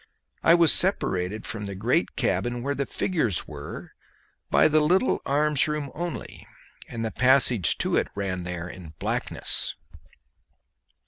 I was separated from the great cabin where the figures were by the little arms room only, and the passage to it ran there in blackness.